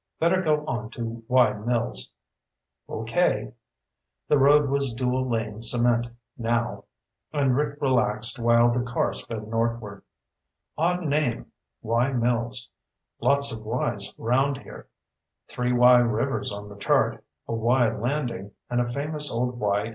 Better go on to Wye Mills." "Okay." The road was dual lane cement, now, and Rick relaxed while the car sped northward. "Odd name, Wye Mills. Lots of Wyes around here. Three Wye Rivers on the chart, a Wye Landing, and a famous old Wye Oak."